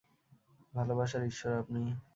ভালোবাসার ঈশ্বর আপনি!